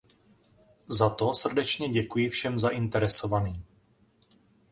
Za to srdečně děkuji všem zainteresovaným.